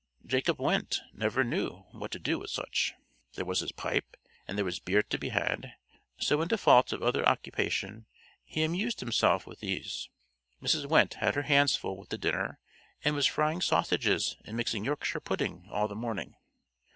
Jacob Wendte never knew what to do with such. There was his pipe, and there was beer to be had, so in default of other occupation, he amused himself with these. Mrs. Wendte had her hands full with the dinner, and was frying sausages and mixing Yorkshire pudding all the morning.